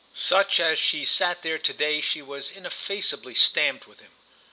Such as she sat there to day she was ineffaceably stamped with him.